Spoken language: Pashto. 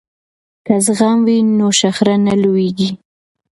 که زغم وي نو شخړه نه لویږي.